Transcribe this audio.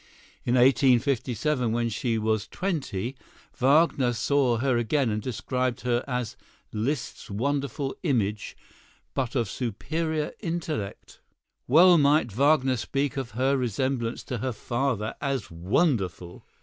In 1857, when she was twenty, Wagner saw her again and describes her as "Liszt's wonderful image, but of superior intellect." Well might Wagner speak of her resemblance to her father as wonderful.